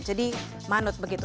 jadi manut begitu